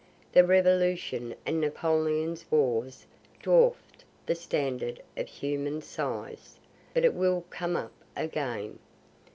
The revolution and Napoleon's wars dwarf'd the standard of human size, but it will come up again.